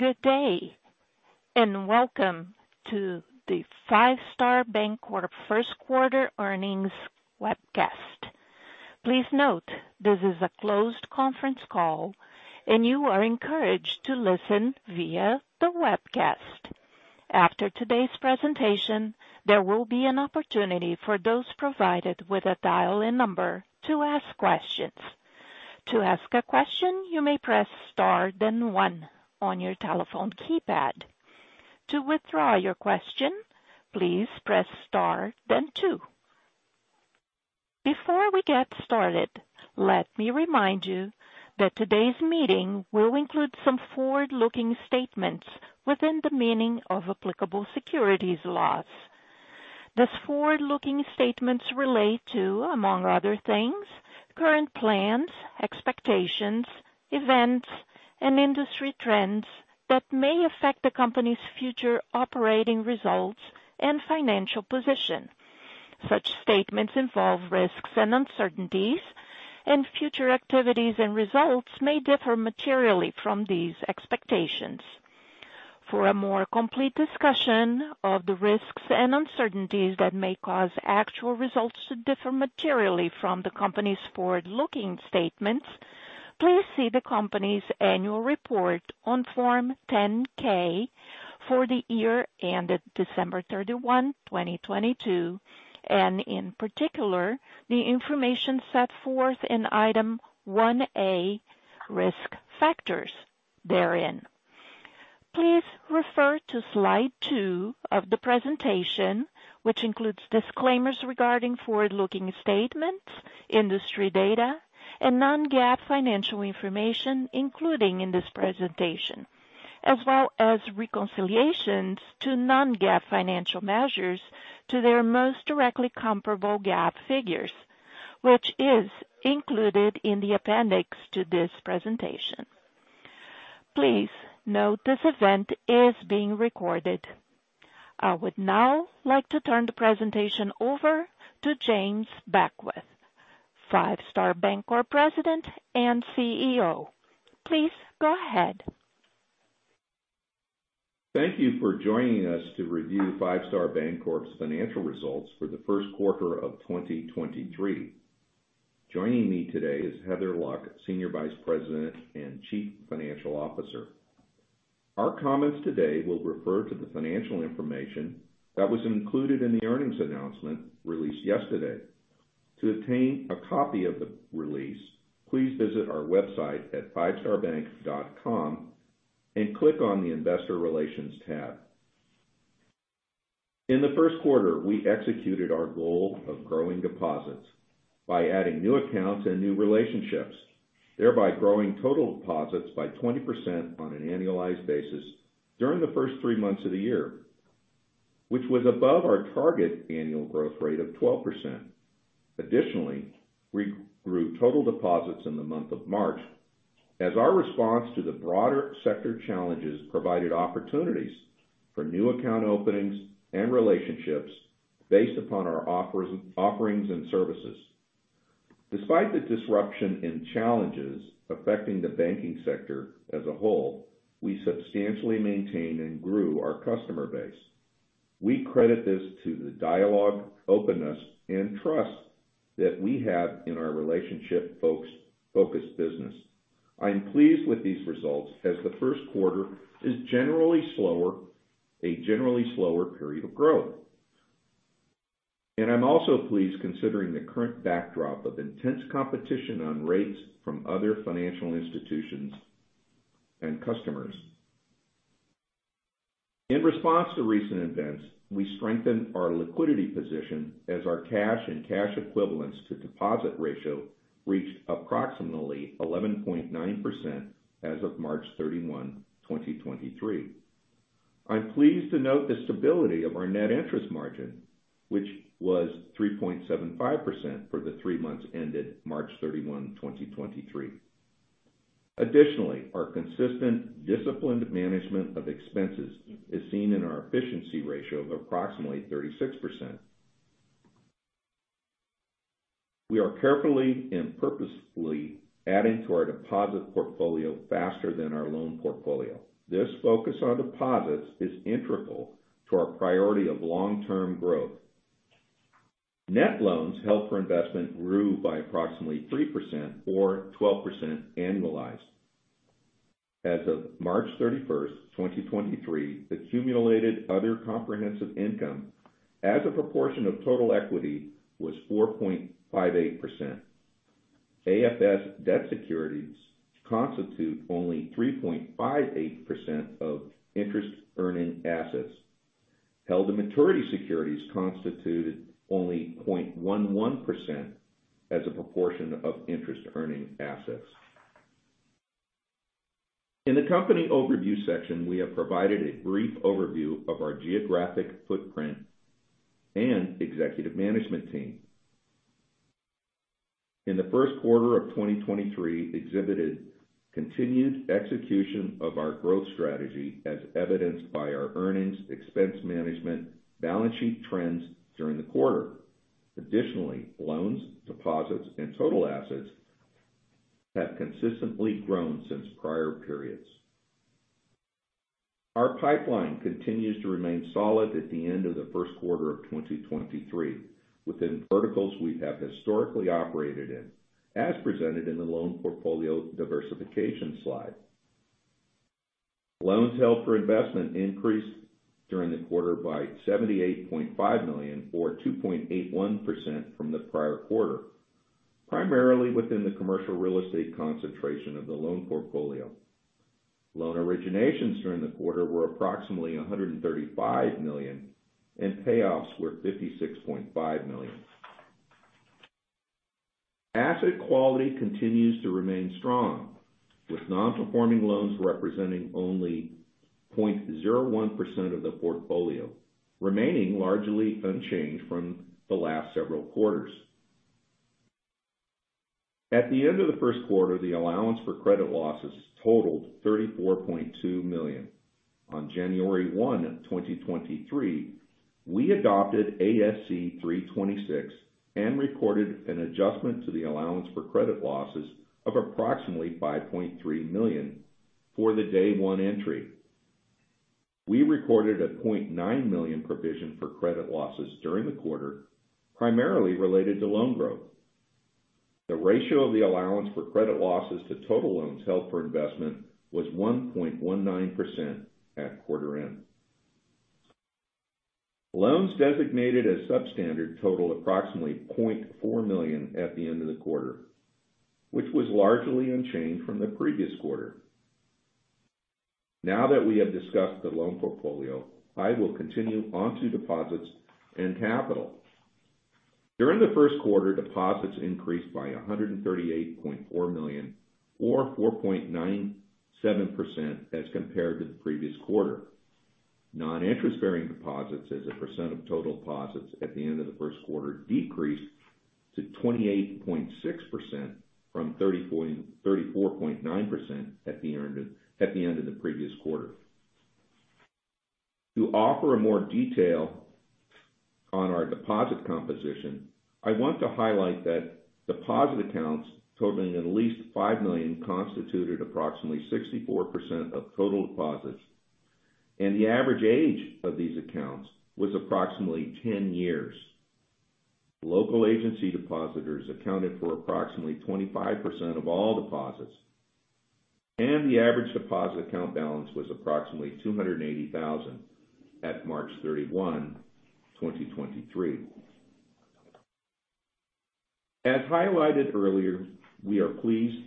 Good day, and welcome to the Five Star Bancorp first quarter earnings webcast. Please note this is a closed conference call and you are encouraged to listen via the webcast. After today's presentation, there will be an opportunity for those provided with a dial-in number to ask questions. To ask a question, you may press Star then 1 on your telephone keypad. To withdraw your question, please press Star then 2. Before we get started, let me remind you that today's meeting will include some forward-looking statements within the meaning of applicable securities laws. These forward-looking statements relate to, among other things, current plans, expectations, events, and industry trends that may affect the company's future operating results and financial position. Such statements involve risks and uncertainties, and future activities and results may differ materially from these expectations. For a more complete discussion of the risks and uncertainties that may cause actual results to differ materially from the company's forward-looking statements, please see the company's annual report on Form 10-K for the year ended December 31, 2022, and in particular, the information set forth in Item 1A, Risk Factors therein. Please refer to Slide 2 of the presentation, which includes disclaimers regarding forward-looking statements, industry data, and non-GAAP financial information, including in this presentation. Reconciliations to non-GAAP financial measures to their most directly comparable GAAP figures, which is included in the appendix to this presentation. Please note this event is being recorded. I would now like to turn the presentation over to James Beckwith, Five Star Bancorp President and CEO. Please go ahead. Thank you for joining us to review Five Star Bancorp's financial results for the first quarter of 2023. Joining me today is Heather Luck, Senior Vice President and Chief Financial Officer. Our comments today will refer to the financial information that was included in the earnings announcement released yesterday. To obtain a copy of the release, please visit our website at fivestarbank.com and click on the Investor Relations tab. In the first quarter, we executed our goal of growing deposits by adding new accounts and new relationships, thereby growing total deposits by 20% on an annualized basis during the first three months of the year, which was above our target annual growth rate of 12%. Additionally, we grew total deposits in the month of March as our response to the broader sector challenges provided opportunities for new account openings and relationships based upon our offerings and services. Despite the disruption and challenges affecting the banking sector as a whole, we substantially maintained and grew our customer base. We credit this to the dialogue, openness, and trust that we have in our relationship-focused business. I'm pleased with these results as the first quarter is a generally slower period of growth. I'm also pleased considering the current backdrop of intense competition on rates from other financial institutions and customers. In response to recent events, we strengthened our liquidity position as our cash and cash equivalents to deposit ratio reached approximately 11.9% as of March 31, 2023. I'm pleased to note the stability of our net interest margin, which was 3.75% for the 3 months ended March 31, 2023. Additionally, our consistent disciplined management of expenses is seen in our efficiency ratio of approximately 36%. We are carefully and purposefully adding to our deposit portfolio faster than our loan portfolio. This focus on deposits is integral to our priority of long-term growth. Net loans held for investment grew by approximately 3% or 12% annualized. As of March 31, 2023, the cumulated other comprehensive income as a proportion of total equity was 4.58%. AFS debt securities constitute only 3.58% of interest-earning assets. Held to maturity securities constituted only 0.11% as a proportion of interest-earning assets. In the company overview section, we have provided a brief overview of our geographic footprint and executive management team. In the first quarter of 2023, exhibited continued execution of our growth strategy as evidenced by our earnings, expense management, balance sheet trends during the quarter. Additionally, loans, deposits, and total assets have consistently grown since prior periods. Our pipeline continues to remain solid at the end of the first quarter of 2023 within verticals we have historically operated in, as presented in the loan portfolio diversification slide. Loans held for investment increased during the quarter by $78.5 million, or 2.81% from the prior quarter, primarily within the commercial real estate concentration of the loan portfolio. Loan originations during the quarter were approximately $135 million, and payoffs were $56.5 million. Asset quality continues to remain strong, with non-performing loans representing only 0.01% of the portfolio, remaining largely unchanged from the last several quarters. At the end of the first quarter, the allowance for credit losses totaled $34.2 million. On January 1, 2023, we adopted ASC 326 and recorded an adjustment to the allowance for credit losses of approximately $5.3 million for the day one entry. We recorded a $0.9 million provision for credit losses during the quarter, primarily related to loan growth. The ratio of the allowance for credit losses to total loans held for investment was 1.19% at quarter end. Loans designated as substandard totaled approximately $0.4 million at the end of the quarter, which was largely unchanged from the previous quarter. Now that we have discussed the loan portfolio, I will continue on to deposits and capital. During the first quarter, deposits increased by $138.4 million or 4.97% as compared to the previous quarter. Non-interest-bearing deposits as a percent of total deposits at the end of the first quarter decreased to 28.6% from 34.9% at the end of the previous quarter. To offer more detail on our deposit composition, I want to highlight that deposit accounts totaling at least $5 million constituted approximately 64% of total deposits, and the average age of these accounts was approximately 10 years. Local agency depositors accounted for approximately 25% of all deposits, and the average deposit account balance was approximately $280,000 at March 31, 2023. As highlighted earlier, we are pleased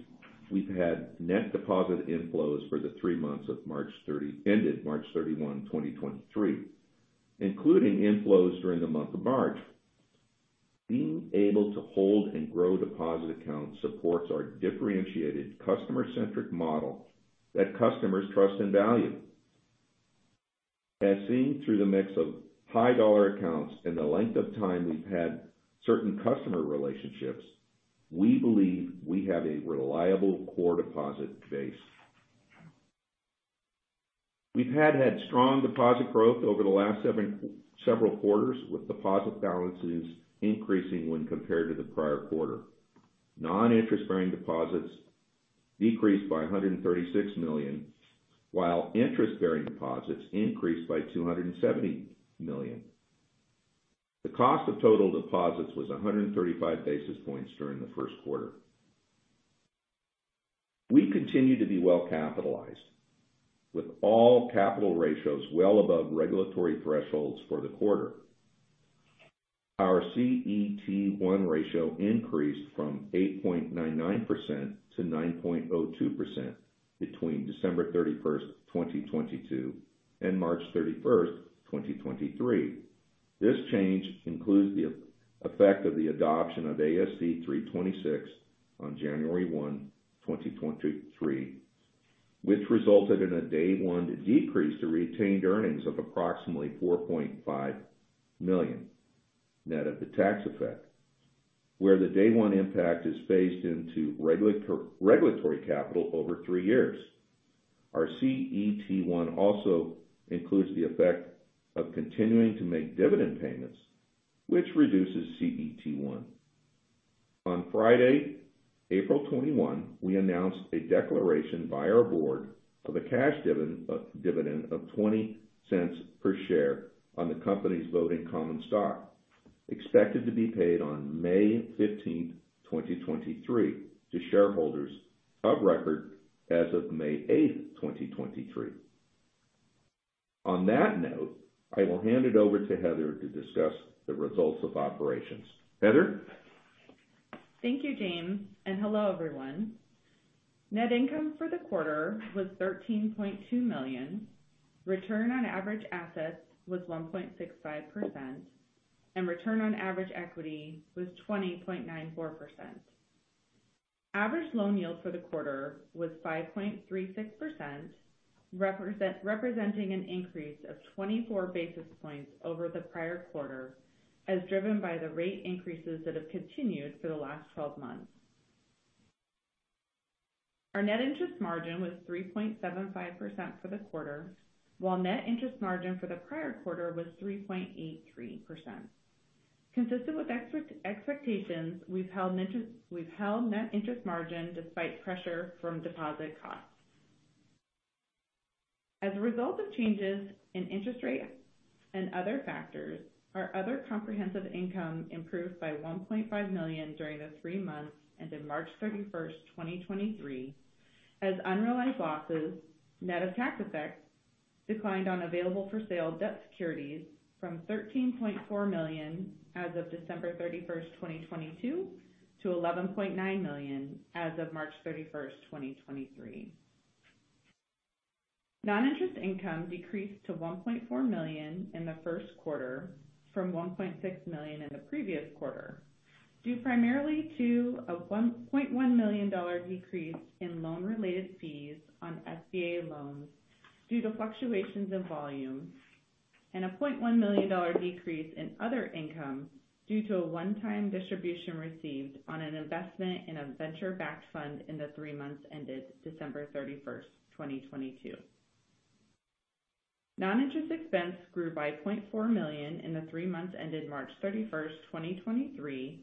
we've had net deposit inflows for the 3 months ended March 31, 2023, including inflows during the month of March. Being able to hold and grow deposit accounts supports our differentiated customer-centric model that customers trust and value. As seen through the mix of high dollar accounts and the length of time we've had certain customer relationships, we believe we have a reliable core deposit base. We've had strong deposit growth over the last several quarters, with deposit balances increasing when compared to the prior quarter. Non-interest-bearing deposits decreased by $136 million, while interest-bearing deposits increased by $270 million. The cost of total deposits was 135 basis points during the first quarter. We continue to be well capitalized, with all capital ratios well above regulatory thresholds for the quarter. Our CET1 ratio increased from 8.99% to 9.02% between December 31, 2022 and March 31, 2023. This change includes the effect of the adoption of ASC 326 on January 1, 2023, which resulted in a day one decrease to retained earnings of approximately $4.5 million net of the tax effect, where the day one impact is phased into regulatory capital over three years. Our CET1 also includes the effect of continuing to make dividend payments, which reduces CET1. On Friday, April 21, we announced a declaration by our board of a cash dividend of $0.20 per share on the company's voting common stock, expected to be paid on May 15, 2023 to shareholders of record as of May 8, 2023. On that note, I will hand it over to Heather to discuss the results of operations. Heather? Thank you, James, and hello, everyone. Net income for the quarter was $13.2 million. Return on average assets was 1.65%, and return on average equity was 20.94%. Average loan yield for the quarter was 5.36%, representing an increase of 24 basis points over the prior quarter, as driven by the rate increases that have continued for the last 12 months. Our net interest margin was 3.75% for the quarter, while net interest margin for the prior quarter was 3.83%. Consistent with expectations, we've held net interest margin despite pressure from deposit costs. As a result of changes in interest rates and other factors, our other comprehensive income improved by $1.5 million during the three months ended March 31, 2023, as unrealized losses net of tax effects declined on available for sale debt securities from $13.4 million as of December 31, 2022 to $11.9 million as of March 31, 2023. Non-interest income decreased to $1.4 million in the first quarter from $1.6 million in the previous quarter, due primarily to a $1.1 million decrease in loan-related fees on SBA loans due to fluctuations in volume and a $0.1 million decrease in other income due to a one-time distribution received on an investment in a venture backed fund in the three months ended December 31, 2022. Non-interest expense grew by $0.4 million in the 3 months ended March 31, 2023,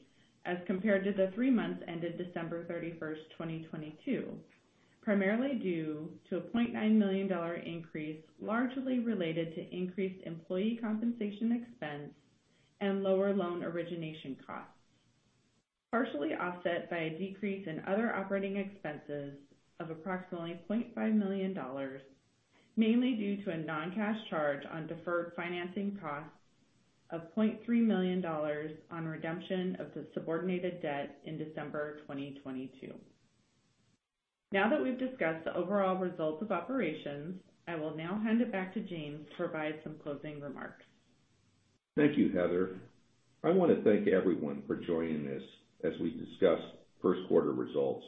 as compared to the 3 months ended December 31, 2022, primarily due to a $0.9 million increase, largely related to increased employee compensation expense and lower loan origination costs. Partially offset by a decrease in other operating expenses of approximately $0.5 million, mainly due to a non-cash charge on deferred financing costs of $0.3 million on redemption of the subordinated debt in December 2022. Now that we've discussed the overall results of operations, I will now hand it back to James to provide some closing remarks. Thank you, Heather. I wanna thank everyone for joining us as we discuss first quarter results.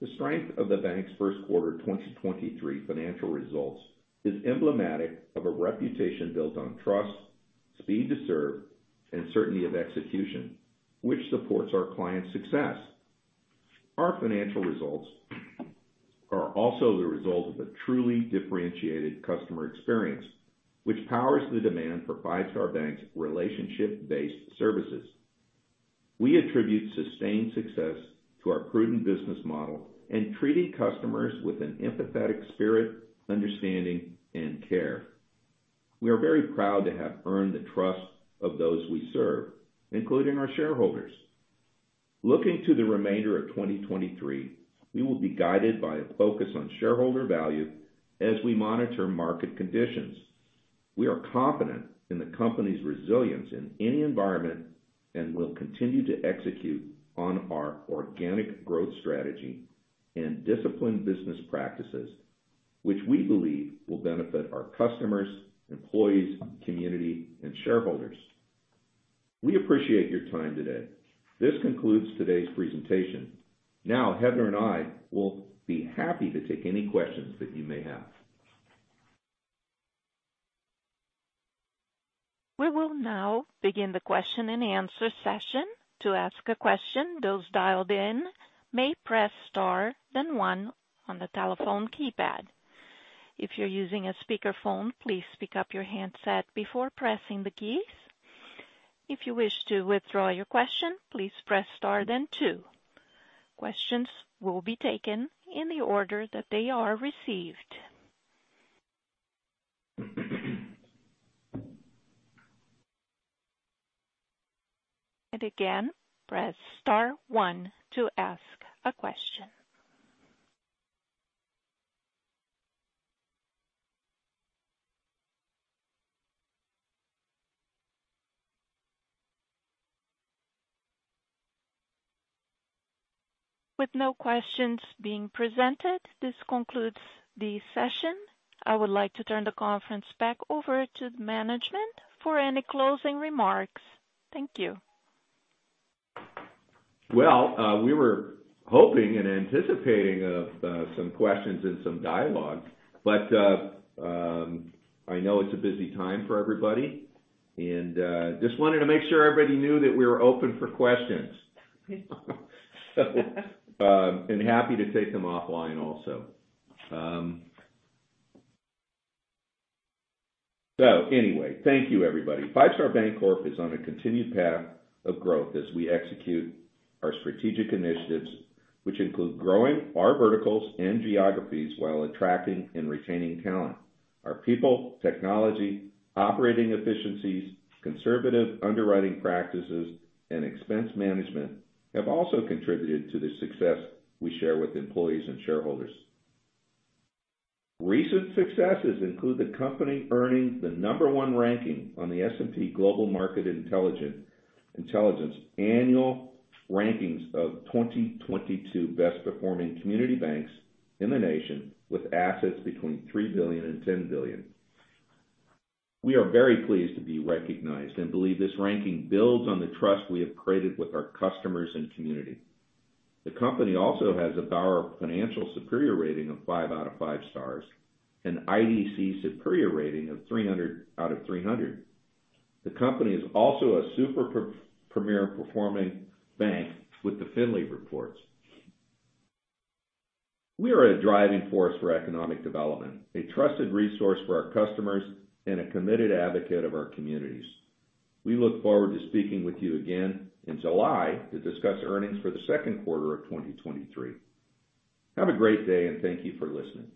The strength of the bank's first quarter 2023 financial results is emblematic of a reputation built on trust, speed to serve and certainty of execution, which supports our clients' success. Our financial results are also the result of a truly differentiated customer experience, which powers the demand for Five Star Bank's relationship-based services. We attribute sustained success to our prudent business model and treating customers with an empathetic spirit, understanding, and care. We are very proud to have earned the trust of those we serve, including our shareholders. Looking to the remainder of 2023, we will be guided by a focus on shareholder value as we monitor market conditions. We are confident in the company's resilience in any environment and will continue to execute on our organic growth strategy and disciplined business practices, which we believe will benefit our customers, employees, community and shareholders. We appreciate your time today. This concludes today's presentation. Heather and I will be happy to take any questions that you may have. We will now begin the question and answer session. To ask a question, those dialed in may press star, then 1 on the telephone keypad. If you're using a speakerphone, please pick up your handset before pressing the keys. If you wish to withdraw your question, please press star, then 2. Questions will be taken in the order that they are received. Again, press star 1 to ask a question. With no questions being presented, this concludes the session. I would like to turn the conference back over to management for any closing remarks. Thank you. Well, we were hoping and anticipating of some questions and some dialogue. I know it's a busy time for everybody and just wanted to make sure everybody knew that we were open for questions. Happy to take them offline also. Anyway, thank you everybody. Five Star Bancorp is on a continued path of growth as we execute our strategic initiatives, which include growing our verticals and geographies while attracting and retaining talent. Our people, technology, operating efficiencies, conservative underwriting practices and expense management have also contributed to the success we share with employees and shareholders. Recent successes include the company earning the number one ranking on the S&P Global Market Intelligence annual rankings of 2022 best performing community banks in the nation with assets between $3 billion and $10 billion. We are very pleased to be recognized and believe this ranking builds on the trust we have created with our customers and community. The company also has a BauerFinancial superior rating of 5 out of 5 stars, an IDC superior rating of 300 out of 300. The company is also a super premier performing bank with The Findley Reports. We are a driving force for economic development, a trusted resource for our customers and a committed advocate of our communities. We look forward to speaking with you again in July to discuss earnings for the second quarter of 2023. Have a great day. Thank you for listening.